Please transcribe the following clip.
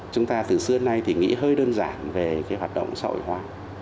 chúng ta từ xưa nay thì nghĩ hơi đơn giản về cái hoạt động xã hội hóa